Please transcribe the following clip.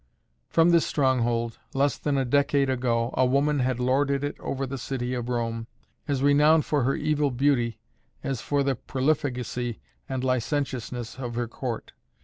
From this stronghold, less than a decade ago, a woman had lorded it over the city of Rome, as renowned for her evil beauty as for the profligacy and licentiousness of her court.